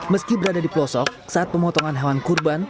meski berada di pelosok saat pemotongan hewan kurban